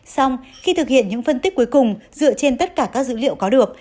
xong khi thực hiện những phân tích cuối cùng dựa trên tất cả các dữ liệu có được